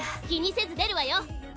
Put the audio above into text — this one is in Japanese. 「気にせずでるわよ。